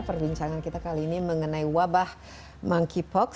perbincangan kita kali ini mengenai wabah monkeypox